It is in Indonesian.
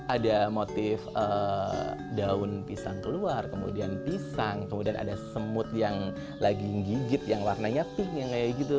ada motif daun pisang keluar kemudian pisang kemudian ada semut yang lagi ngigit yang warnanya pink yang kayak gitu